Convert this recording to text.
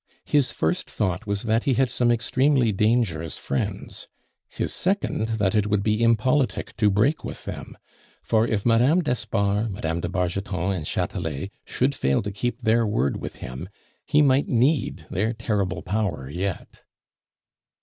His first thought was that he had some extremely dangerous friends; his second, that it would be impolitic to break with them; for if Mme. d'Espard, Mme. de Bargeton, and Chatelet should fail to keep their word with him, he might need their terrible power yet.